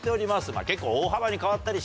結構大幅に変わったりします。